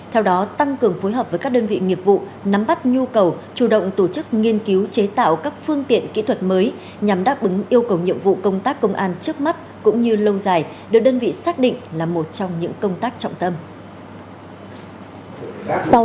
theo đó tăng cường phối hợp với các đơn vị nghiệp vụ nắm bắt nhu cầu chủ động tổ chức nghiên cứu chế tạo các phương tiện kỹ thuật mới nhằm đáp ứng yêu cầu nhiệm vụ công tác công an trước mắt cũng như lâu dài được đơn vị xác định là một trong những công tác trọng tâm